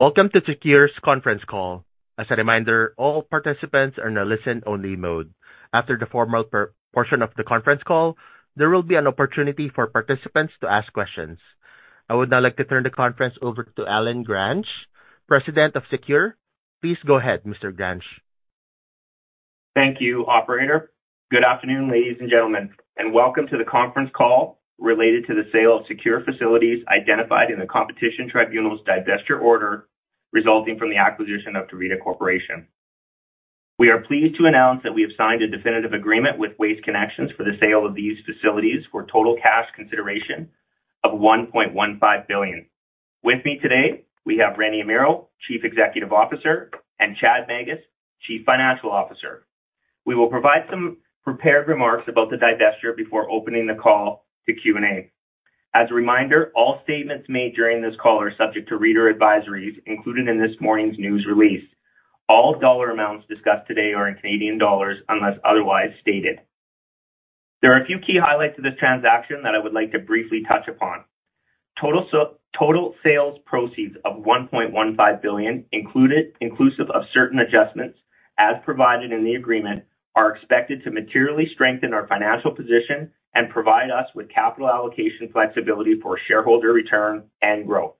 Welcome to SECURE's conference call. As a reminder, all participants are in a listen-only mode. After the formal portion of the conference call, there will be an opportunity for participants to ask questions. I would now like to turn the conference over to Allen Gransch, President of SECURE. Please go ahead, Mr. Gransch. Thank you, operator. Good afternoon, ladies and gentlemen, and welcome to the conference call related to the sale of SECURE Facilities, identified in the Competition Tribunal's divestiture order, resulting from the acquisition of Tervita Corporation. We are pleased to announce that we have signed a definitive agreement with Waste Connections for the sale of these facilities for total cash consideration of 1.15 billion. With me today, we have Rene Amirault, Chief Executive Officer, and Chad Magus, Chief Financial Officer. We will provide some prepared remarks about the divestiture before opening the call to Q&A. As a reminder, all statements made during this call are subject to reader advisories included in this morning's news release. All dollar amounts discussed today are in Canadian dollars unless otherwise stated. There are a few key highlights of this transaction that I would like to briefly touch upon. Total sales proceeds of 1.15 billion, inclusive of certain adjustments, as provided in the agreement, are expected to materially strengthen our financial position and provide us with capital allocation flexibility for shareholder return and growth.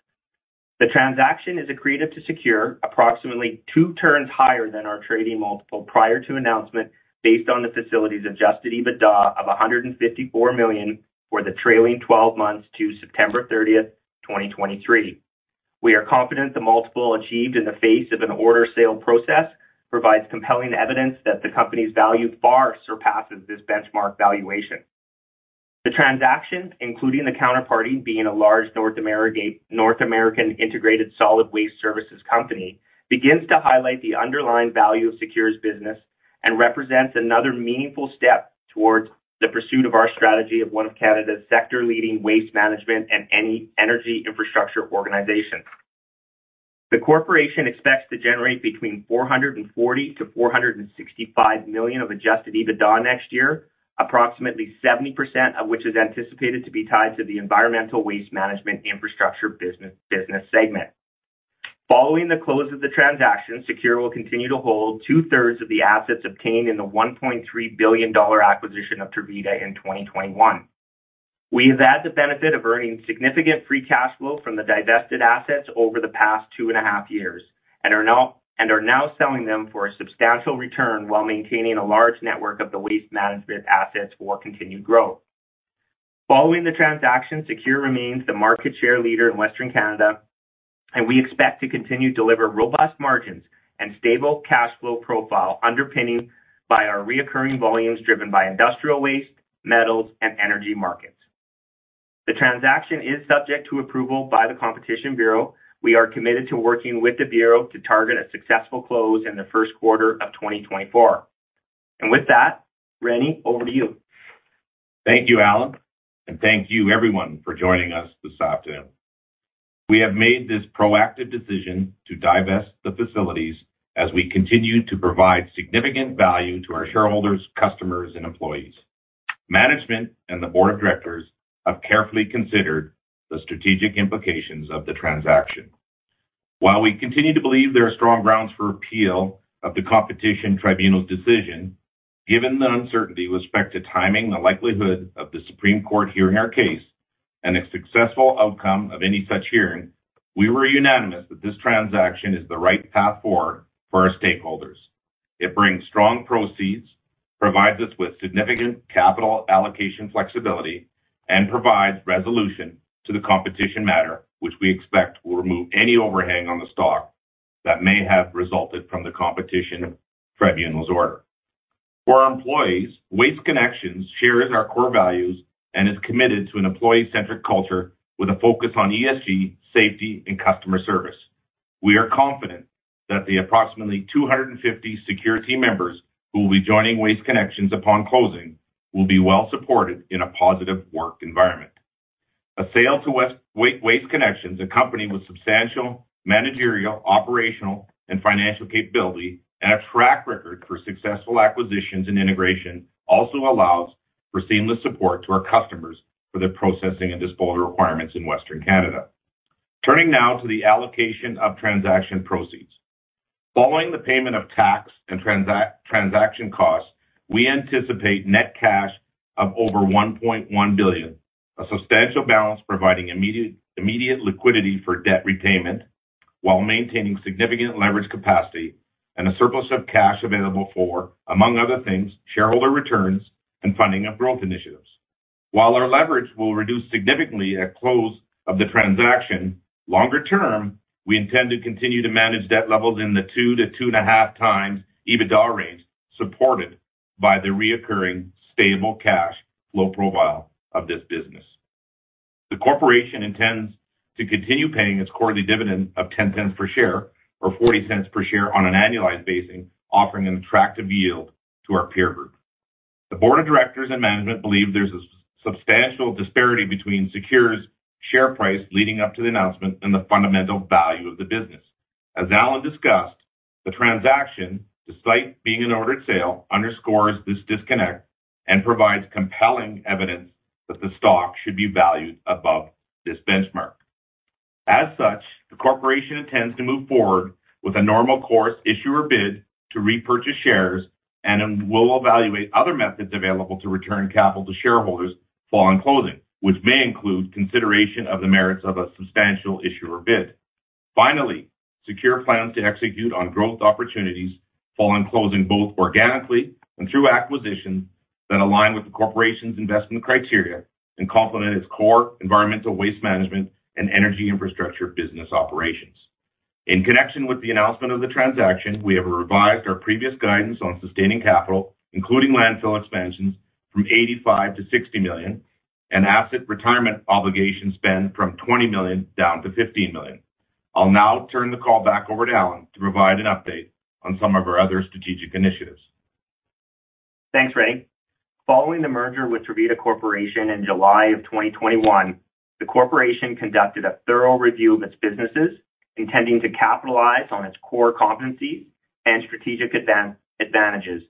The transaction is accretive to SECURE, approximately two turns higher than our trading multiple prior to announcement, based on the facility's Adjusted EBITDA of 154 million for the trailing twelve months to September 30th, 2023. We are confident the multiple achieved in the face of an orderly sale process provides compelling evidence that the company's value far surpasses this benchmark valuation. The transaction, including the counterparty, being a large North American integrated solid waste services company, begins to highlight the underlying value of SECURE's business and represents another meaningful step towards the pursuit of our strategy of one of Canada's sector-leading waste management and energy infrastructure organization. The corporation expects to generate between 440-465 million of Adjusted EBITDA next year, approximately 70% of which is anticipated to be tied to the environmental waste management infrastructure business segment. Following the close of the transaction, Secure will continue to hold two-thirds of the assets obtained in the 1.3 billion dollar acquisition of Tervita in 2021. We have had the benefit of earning significant free cash flow from the divested assets over the past two and a half years and are now selling them for a substantial return while maintaining a large network of the waste management assets for continued growth. Following the transaction, SECURE remains the market share leader in Western Canada, and we expect to continue to deliver robust margins and stable cash flow profile, underpinning by our recurring volumes driven by industrial waste, metals, and energy markets. The transaction is subject to approval by the Competition Bureau. We are committed to working with the Bureau to target a successful close in the first quarter of 2024. With that, Rene, over to you. Thank you, Allen, and thank you everyone for joining us this afternoon. We have made this proactive decision to divest the facilities as we continue to provide significant value to our shareholders, customers, and employees. Management and the board of directors have carefully considered the strategic implications of the transaction. While we continue to believe there are strong grounds for appeal of the Competition Tribunal's decision, given the uncertainty with respect to timing, the likelihood of the Supreme Court hearing our case, and a successful outcome of any such hearing, we were unanimous that this transaction is the right path forward for our stakeholders. It brings strong proceeds, provides us with significant capital allocation flexibility, and provides resolution to the competition matter, which we expect will remove any overhang on the stock that may have resulted from the Competition Tribunal's order. For our employees, Waste Connections shares our core values and is committed to an employee-centric culture with a focus on ESG, safety, and customer service. We are confident that the approximately 250 SECURE team members, who will be joining Waste Connections upon closing, will be well supported in a positive work environment. A sale to Waste Connections, a company with substantial managerial, operational, and financial capability, and a track record for successful acquisitions and integration, also allows for seamless support to our customers for their processing and disposal requirements in Western Canada. Turning now to the allocation of transaction proceeds. Following the payment of tax and transaction costs, we anticipate net cash of over $1.1 billion, a substantial balance providing immediate liquidity for debt repayment while maintaining significant leverage capacity and a surplus of cash available for, among other things, shareholder returns and funding of growth initiatives. While our leverage will reduce significantly at close of the transaction, longer-term, we intend to continue to manage debt levels in the 2x-2.5x EBITDA range, supported by the recurring stable cash flow profile of this business. The corporation intends to continue paying its quarterly dividend of $0.10 per share, or $0.40 per share on an annualized basis, offering an attractive yield to our peer group. The board of directors and management believe there's a substantial disparity between SECURE's share price leading up to the announcement and the fundamental value of the business. As Allen discussed, the transaction, despite being an ordered sale, underscores this disconnect and provides compelling evidence that the stock should be valued above this benchmark. As such, the corporation intends to move forward with a Normal Course Issuer Bid to repurchase shares, and then we'll evaluate other methods available to return capital to shareholders following closing, which may include consideration of the merits of a Substantial Issuer Bid. Finally, SECURE plans to execute on growth opportunities following closing, both organically and through acquisitions, that align with the corporation's investment criteria and complement its core environmental waste management and energy infrastructure business operations. In connection with the announcement of the transaction, we have revised our previous guidance on Sustaining Capital, including landfill expansions, from 85 million-60 million, and Asset Retirement Obligation spend from 20 million down to 15 million. I'll now turn the call back over to Allen to provide an update on some of our other strategic initiatives. Thanks, Rene. Following the merger with Tervita Corporation in July 2021, the corporation conducted a thorough review of its businesses, intending to capitalize on its core competencies and strategic advantages,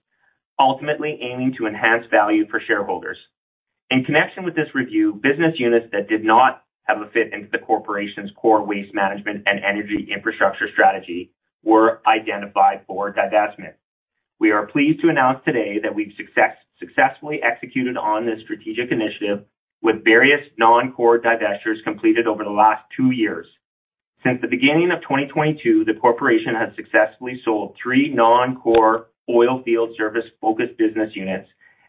ultimately aiming to enhance value for shareholders. In connection with this review, business units that did not have a fit into the corporation's core waste management and energy infrastructure strategy were identified for divestment. We are pleased to announce today that we've successfully executed on this strategic initiative, with various non-core divestitures completed over the last 2 years. Since the beginning of 2022, the corporation has successfully sold 3 non-core oil field service-focused business units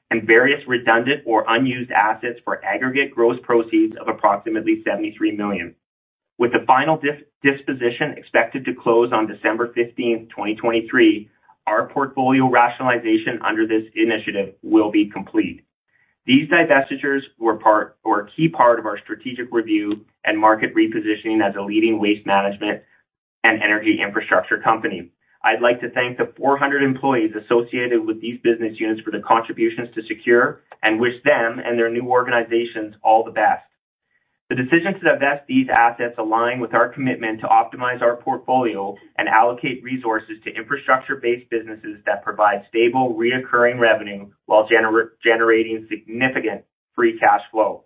and various redundant or unused assets for aggregate gross proceeds of approximately 73 million. With the final disposition expected to close on December 15th, 2023, our portfolio rationalization under this initiative will be complete. These divestitures were a key part of our strategic review and market repositioning as a leading waste management and energy infrastructure company. I'd like to thank the 400 employees associated with these business units for their contributions to SECURE and wish them and their new organizations all the best. The decision to divest these assets align with our commitment to optimize our portfolio and allocate resources to infrastructure-based businesses that provide stable, recurring revenue while generating significant free cash flow.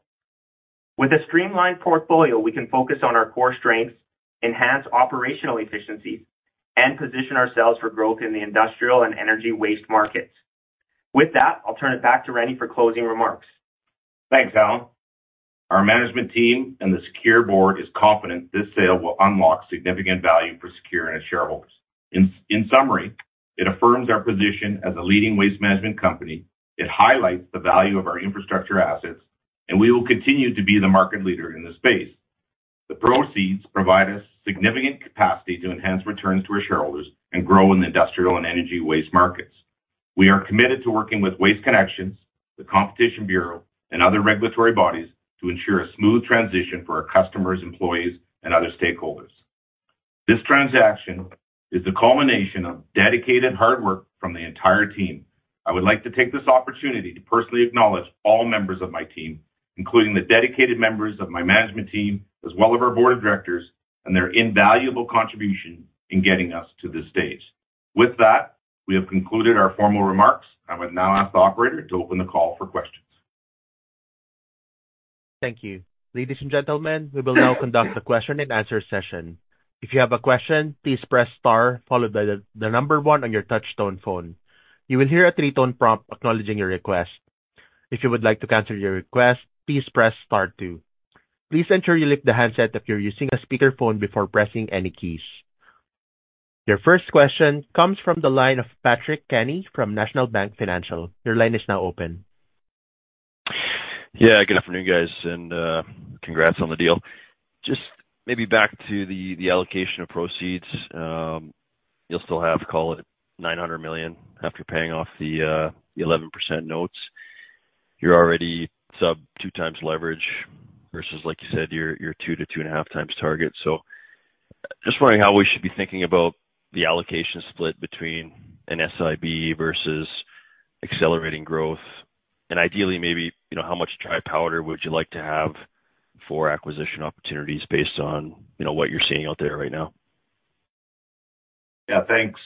With a streamlined portfolio, we can focus on our core strengths, enhance operational efficiencies, and position ourselves for growth in the industrial and energy waste markets. With that, I'll turn it back to Rene for closing remarks. Thanks, Allen. Our management team and the SECURE board is confident this sale will unlock significant value for SECURE and its shareholders. In summary, it affirms our position as a leading waste management company, it highlights the value of our infrastructure assets, and we will continue to be the market leader in this space. The proceeds provide us significant capacity to enhance returns to our shareholders and grow in the industrial and energy waste markets. We are committed to working with Waste Connections, the Competition Bureau, and other regulatory bodies to ensure a smooth transition for our customers, employees, and other stakeholders. This transaction is the culmination of dedicated hard work from the entire team. I would like to take this opportunity to personally acknowledge all members of my team, including the dedicated members of my management team, as well as our board of directors, and their invaluable contribution in getting us to this stage. With that, we have concluded our formal remarks. I would now ask the operator to open the call for questions. Thank you. Ladies and gentlemen, we will now conduct a question-and-answer session. If you have a question, please press star, followed by the number one on your touch-tone phone. You will hear a three-tone prompt acknowledging your request. If you would like to cancel your request, please press star two. Please ensure you lift the handset if you're using a speakerphone before pressing any keys. Your first question comes from the line of Patrick Kenny from National Bank Financial. Your line is now open. Yeah, good afternoon, guys, and congrats on the deal. Just maybe back to the allocation of proceeds. You'll still have, call it, $900 million after paying off the 11% notes. You're already sub-2x leverage versus, like you said, your 2x-2.5x target. So just wondering how we should be thinking about the allocation split between an SIB versus accelerating growth. And ideally, maybe, you know, how much dry powder would you like to have for acquisition opportunities based on, you know, what you're seeing out there right now? Yeah, thanks,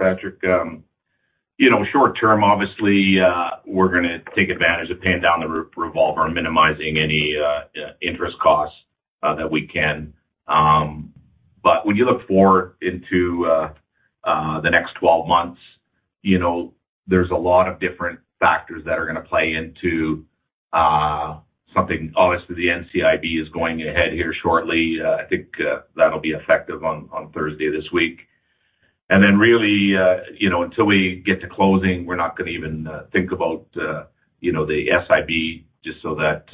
Patrick. You know, short term, obviously, we're gonna take advantage of paying down the revolver and minimizing any interest costs that we can. But when you look forward into the next 12 months, you know, there's a lot of different factors that are gonna play into something. Obviously, the NCIB is going ahead here shortly. I think that'll be effective on Thursday this week. And then really, you know, until we get to closing, we're not gonna even think about the SIB, just so that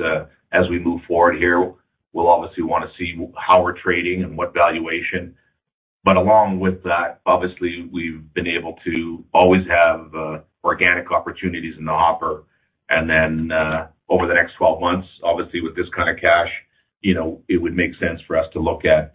as we move forward here, we'll obviously want to see how we're trading and what valuation. But along with that, obviously, we've been able to always have organic opportunities in the hopper. Then, over the next 12 months, obviously with this kind of cash, you know, it would make sense for us to look at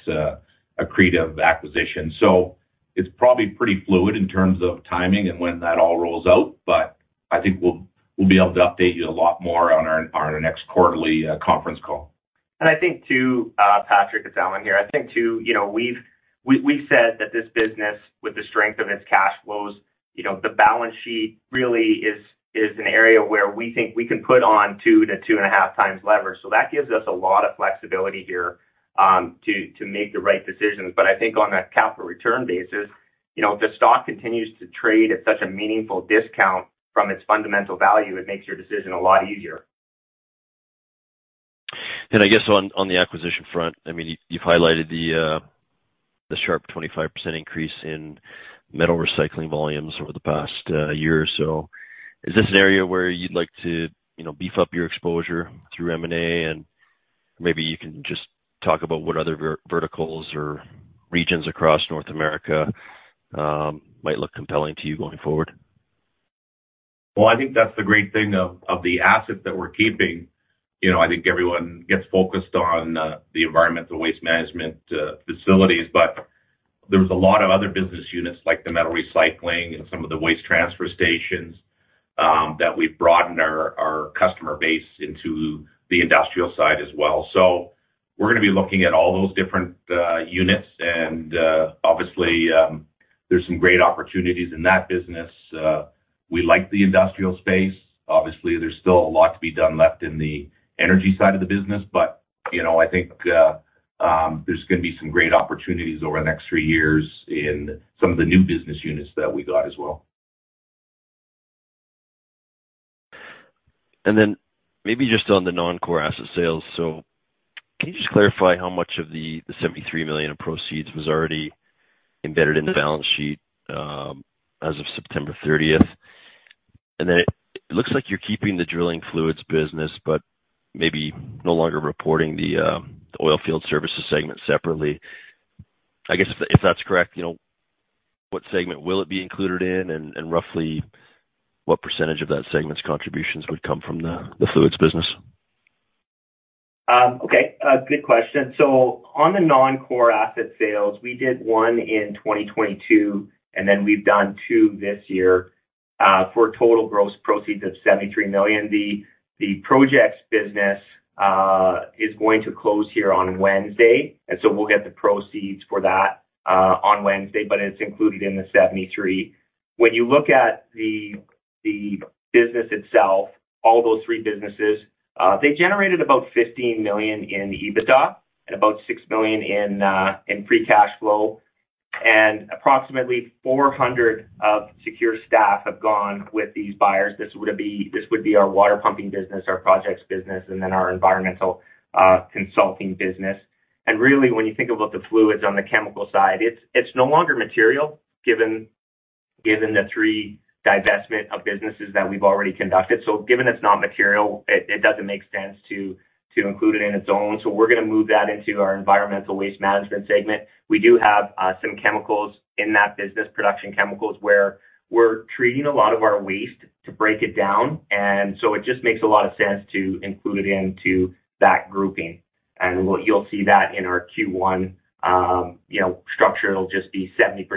accretive acquisition. So it's probably pretty fluid in terms of timing and when that all rolls out, but I think we'll be able to update you a lot more on our next quarterly conference call. I think, too, Patrick, it's Allen here. I think, too, you know, we've said that this business, with the strength of its cash flows, you know, the balance sheet really is an area where we think we can put on 2x-2.5x leverage. So that gives us a lot of flexibility here, to make the right decisions. But I think on a capital return basis, you know, if the stock continues to trade at such a meaningful discount from its fundamental value, it makes your decision a lot easier. I guess on the acquisition front, I mean, you've highlighted the sharp 25% increase in metal recycling volumes over the past year or so. Is this an area where you'd like to, you know, beef up your exposure through M&A? And maybe you can just talk about what other verticals or regions across North America might look compelling to you going forward. Well, I think that's the great thing of, of the assets that we're keeping. You know, I think everyone gets focused on the environmental waste management facilities, but there's a lot of other business units, like the metal recycling and some of the waste transfer stations, that we've broadened our, our customer base into the industrial side as well. So we're gonna be looking at all those different units, and obviously, there's some great opportunities in that business. We like the industrial space. Obviously, there's still a lot to be done left in the energy side of the business, but you know, I think there's gonna be some great opportunities over the next three years in some of the new business units that we got as well. And then maybe just on the non-core asset sales, so can you just clarify how much of the $73 million in proceeds was already embedded in the balance sheet, as of September 30th? And then, it looks like you're keeping the drilling fluids business, but maybe no longer reporting the oil field services segment separately. I guess, if that's correct, you know, what segment will it be included in? And roughly what percentage of that segment's contributions would come from the fluids business? Okay, good question. So on the non-core asset sales, we did one in 2022, and then we've done two this year, for a total gross proceeds of 73 million. The projects business is going to close here on Wednesday, and so we'll get the proceeds for that on Wednesday, but it's included in the 73. When you look at the business itself, all those three businesses, they generated about 15 million in EBITDA and about 6 million in free cash flow, and approximately 400 of SECURE staff have gone with these buyers. This would be our water pumping business, our projects business, and then our environmental consulting business. Really, when you think about the fluids on the chemical side, it's no longer material, given the three divestment of businesses that we've already conducted. So given it's not material, it doesn't make sense to include it in its own. So we're gonna move that into our environmental waste management segment. We do have some chemicals in that business, production chemicals, where we're treating a lot of our waste to break it down, and so it just makes a lot of sense to include it into that grouping. And what you'll see that in our Q1, you know, structure. It'll just be 70%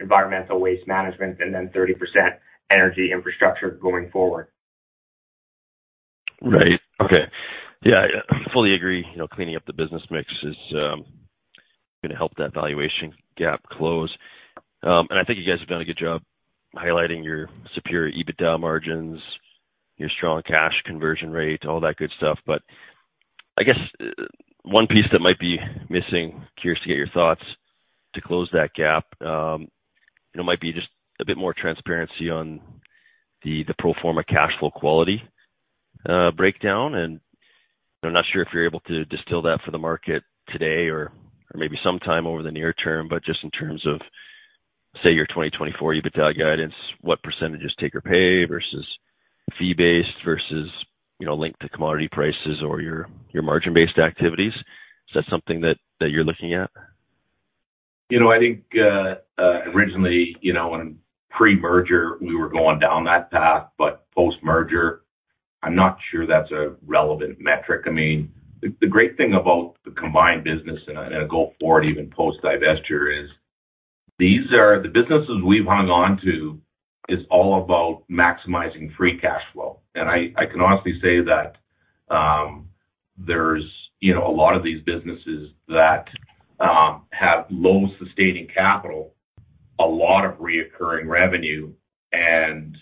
environmental waste management and then 30% energy infrastructure going forward. Right. Okay. Yeah, I fully agree, you know, cleaning up the business mix is gonna help that valuation gap close. And I think you guys have done a good job highlighting your superior EBITDA margins, your strong cash conversion rate, all that good stuff. But I guess one piece that might be missing, curious to get your thoughts, to close that gap, you know, might be just a bit more transparency on the pro forma cash flow quality breakdown. And I'm not sure if you're able to distill that for the market today or maybe sometime over the near term, but just in terms of, say, your 2024 EBITDA guidance, what percentage is take or pay versus fee-based versus, you know, linked to commodity prices or your margin-based activities? Is that something that you're looking at? You know, I think, originally, you know, in pre-merger, we were going down that path, but post-merger, I'm not sure that's a relevant metric. I mean, the great thing about the combined business and go forward, even post-divestiture, is these are the businesses we've hung on to, is all about maximizing free cash flow. And I can honestly say that, there's, you know, a lot of these businesses that have low sustaining capital, a lot of recurring revenue, and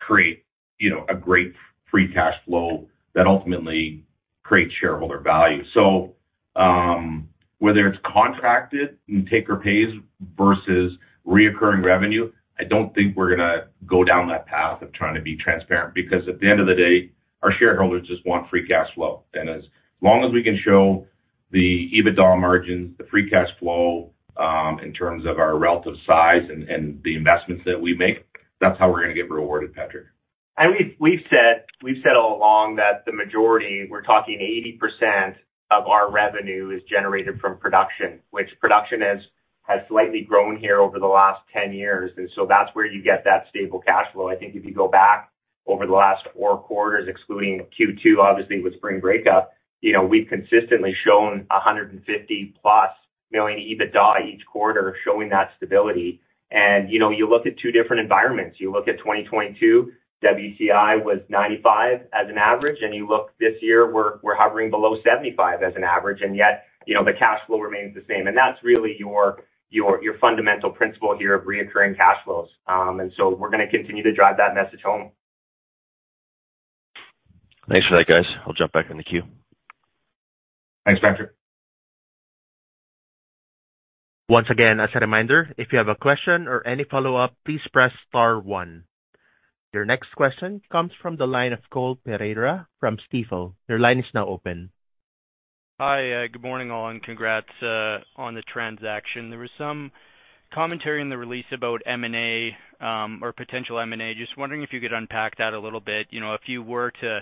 create, you know, a great free cash flow that ultimately creates shareholder value. So, whether it's contracted and take-or-pays versus recurring revenue, I don't think we're gonna go down that path of trying to be transparent, because at the end of the day, our shareholders just want free cash flow. As long as we can show the EBITDA margins, the free cash flow, in terms of our relative size and the investments that we make, that's how we're gonna get rewarded, Patrick. We've said all along that the majority, we're talking 80% of our revenue, is generated from production, which production has slightly grown here over the last 10 years, and so that's where you get that stable cash flow. I think if you go back over the last four quarters, excluding Q2, obviously, with spring breakup, you know, we've consistently shown 150 million+ EBITDA each quarter, showing that stability. And, you know, you look at two different environments. You look at 2022, WTI was 95 as an average, and you look this year, we're hovering below 75 as an average, and yet, you know, the cash flow remains the same. And that's really your fundamental principle here of recurring cash flows. So we're gonna continue to drive that message home. Thanks for that, guys. I'll jump back in the queue. Thanks, Patrick. Once again, as a reminder, if you have a question or any follow-up, please press star one. Your next question comes from the line of Cole Pereira from Stifel. Your line is now open. Hi, good morning, all, and congrats on the transaction. There was some commentary in the release about M&A, or potential M&A. Just wondering if you could unpack that a little bit. You know, if you were to,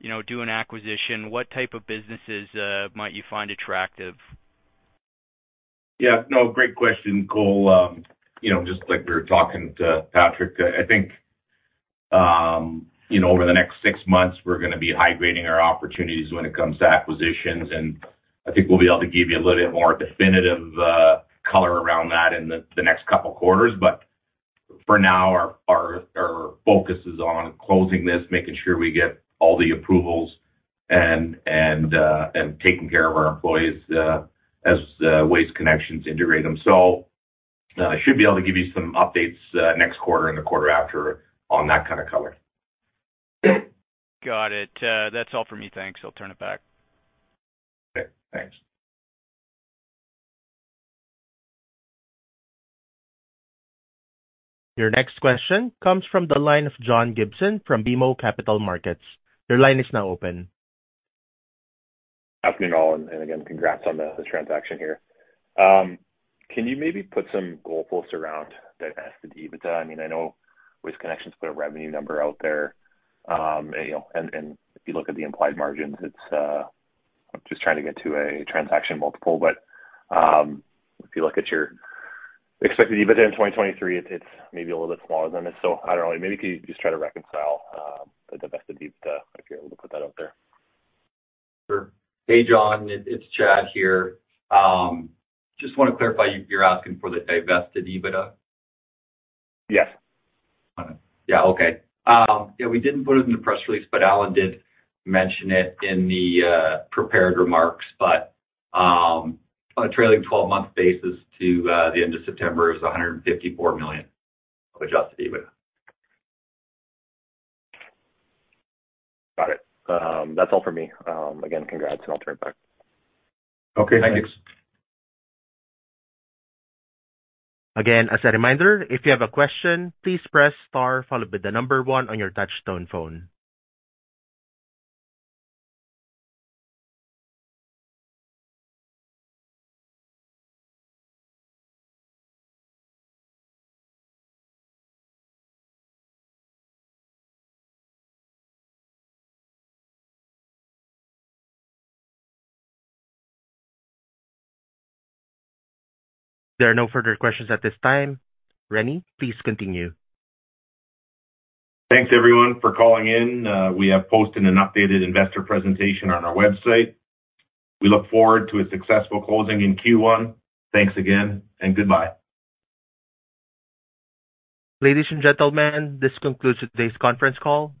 you know, do an acquisition, what type of businesses might you find attractive? Yeah, no, great question, Cole. You know, just like we were talking to Patrick, I think, you know, over the next six months, we're gonna be high grading our opportunities when it comes to acquisitions, and I think we'll be able to give you a little bit more definitive color around that in the next couple quarters. But for now, our focus is on closing this, making sure we get all the approvals and taking care of our employees as Waste Connections integrate them. So I should be able to give you some updates next quarter and the quarter after on that kind of color. Got it. That's all for me. Thanks. I'll turn it back. Okay, thanks. Your next question comes from the line of John Gibson from BMO Capital Markets. Your line is now open. Afternoon, all, and again, congrats on the transaction here. Can you maybe put some goalposts around divested EBITDA? I mean, I know Waste Connections put a revenue number out there. You know, if you look at the implied margins, it's I'm just trying to get to a transaction multiple, but, if you look at your expected EBITDA in 2023, it's maybe a little bit smaller than it. So I don't know, maybe if you could just try to reconcile the divested EBITDA, if you're able to put that out there. Sure. Hey, John, it's Chad here. Just wanna clarify, you're asking for the divested EBITDA? Yes. Yeah. Okay. Yeah, we didn't put it in the press release, but Allen did mention it in the prepared remarks. On a trailing twelve-month basis to the end of September, it was $154 million of adjusted EBITDA. Got it. That's all for me. Again, congrats, and I'll turn it back. Okay, thanks. Again, as a reminder, if you have a question, please press star followed by the number one on your touch-tone phone. There are no further questions at this time. Rene, please continue. Thanks, everyone, for calling in. We have posted an updated investor presentation on our website. We look forward to a successful closing in Q1. Thanks again, and goodbye. Ladies and gentlemen, this concludes today's conference call.